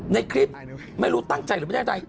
ในคลิปไม่รู้ตั้งใจหรือไม่ได้ใด